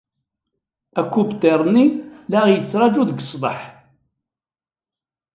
Akubṭir-nni la aɣ-yettṛaju deg ṣṣdeḥ.